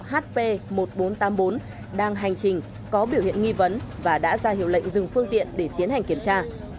hp một nghìn bốn trăm tám mươi bốn đang hành trình có biểu hiện nghi vấn và đã ra hiệu lệnh dừng phương tiện để tiến hành kiểm tra